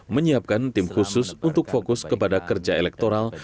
menyiapkan tim khusus untuk fokus kepada kerja elektoral